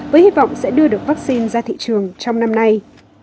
với hy vọng sẽ đưa được vaccine ra thị trường trong năm nay